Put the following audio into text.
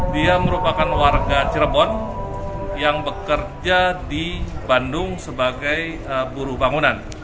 dia merupakan warga cirebon yang bekerja di bandung sebagai buruh bangunan